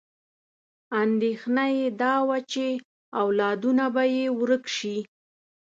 اندېښنه یې دا وه چې اولادونه به یې ورک شي.